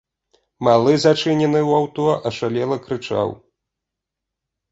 Малы, зачынены ў аўто, ашалела крычаў.